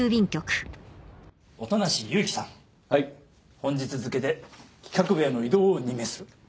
本日付で企画部への異動を任命する。